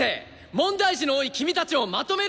問題児の多い君たちをまとめること！